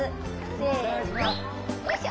せのよいしょ！